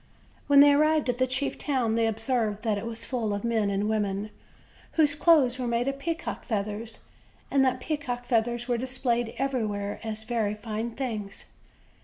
When they arrived at the chief town they observed that it was full of men and women, whose clothes were made of peacocks' feathers; and that peacocks' feathers were displayed everywhere as very fine things.